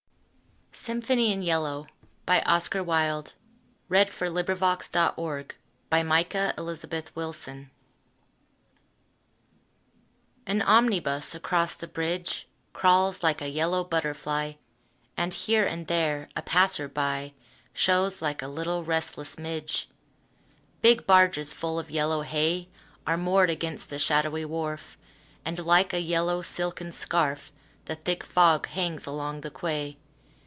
strain! Else moonstruck with music and madness I track him in vain! SYMPHONY IN YELLOW AN omnibus across the bridge Crawls like a yellow butterfly And, here and there, a passer by Shows like a little restless midge. Big barges full of yellow hay Are moored against the shadowy wharf, And, like a yellow silken scarf, The thick fog hangs along the quay.